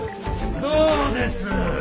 どうです？